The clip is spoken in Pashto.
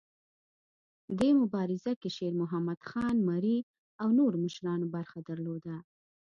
دې مبارزه کې شیرمحمد خان مري او نورو مشرانو برخه درلوده.